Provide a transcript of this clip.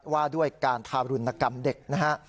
ว่าด้วยการทารุณกรรมเด็กนะฮะ